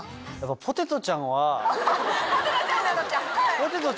ポテトちゃんなの？